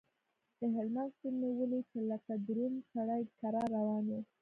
د هلمند سيند مې وليد چې لکه دروند سړى کرار روان و.